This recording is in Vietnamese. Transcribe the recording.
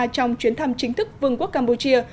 trong chuyến thăm chính thức vương quốc campuchia